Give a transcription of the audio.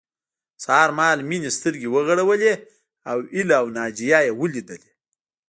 سهار مهال مينې سترګې وغړولې او هيله او ناجيه يې وليدلې